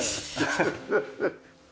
ハハハハッ。